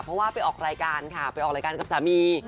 เพราะว่าไปออกรายการค่ะไปออกรายการกับสามี